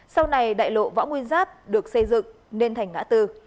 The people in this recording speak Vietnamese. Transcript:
sau này đại lộ võ nguyên giáp được xây dựng nên thành ngã tư